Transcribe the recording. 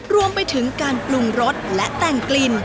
รวมไปถึงการปรุงรสและแต่งกลิ่น